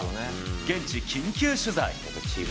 現地緊急取材。